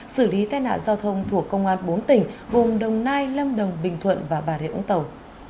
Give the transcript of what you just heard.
xử lý tai nạn giao thông thuộc công an bốn tỉnh gồm đồng nai lâm đồng bình thuận và bà rịa úng tàu